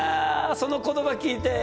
その言葉聞いて？